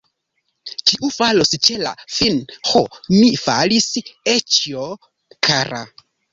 Kiu falos ĉe la fin, Ho, mi falis, oĉjo kara!